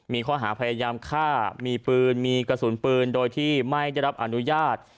มีข้อหาพยายามฆ่ามีปืนมีกระสุนปืนโดยที่ไม่ได้รับอนุญาต